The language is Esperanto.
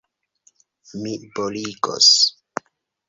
Mi boligos!